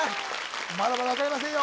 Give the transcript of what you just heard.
まだまだ分かりませんよ